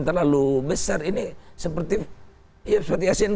terlalu besar ini seperti ya cndsm selesai tapi nama kita baik gitu dari relasi relasi